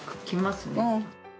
来ますね。